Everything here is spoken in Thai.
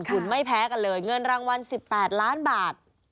คุณไม่แพ้กันเลยเงินรางวัล๑๘ล้านบาท